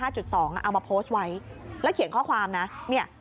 เอามาโพสต์ไว้แล้วเขียนข้อความนะเนี่ย